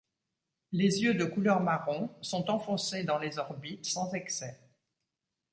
Les yeux de couleur marron sont enfoncés dans les orbites sans excès.